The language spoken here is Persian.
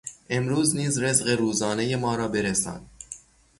امروز نیز رزق روزانهی ما را برسان